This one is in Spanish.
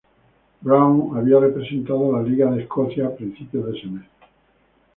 Brown había representado a la Liga de Escocia a principios de ese mes.